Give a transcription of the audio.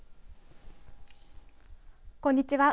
こんにちは。